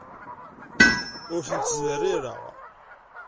Ur tent-ttderrireɣ.